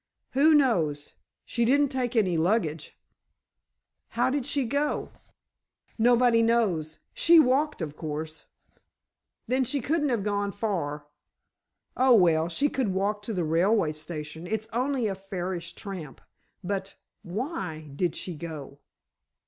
"Who knows? She didn't take any luggage——" "How did she go?" "Nobody knows. She walked, of course——" "Then she couldn't have gone far." "Oh, well, she could walk to the railway station. It's only a fairish tramp. But why did she go?"